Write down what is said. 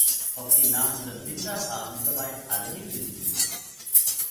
Auf den nahenden Winter haben bereits alle hingewiesen.